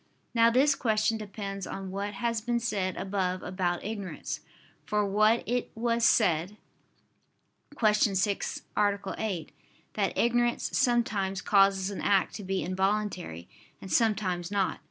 Now this question depends on what has been said above about ignorance. For it was said (Q. 6, A. 8) that ignorance sometimes causes an act to be involuntary, and sometimes not.